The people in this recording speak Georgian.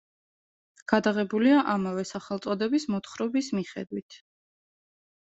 გადაღებულია ამავე სახელწოდების მოთხრობის მიხედვით.